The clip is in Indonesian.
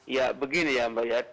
ya begini ya mbak ya